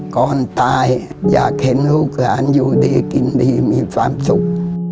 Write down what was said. ก่อนตายอยากเห็นลูกหลานอยู่ดีกินดีมีความสุข